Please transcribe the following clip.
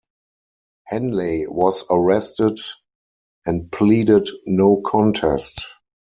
Henley was arrested and pleaded no contest.